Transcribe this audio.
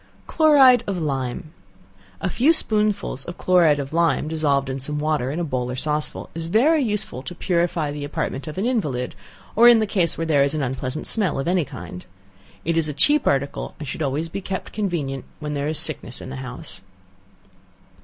Chloride of Lime. A few spoonsful of chloride of lime dissolved in some water in a bowl or saucer, is very useful to purify the apartment of an invalid, or in any case where there is an unpleasant smell, of any kind. It is a cheap article, and should always he kept convenient where there is sickness in the house.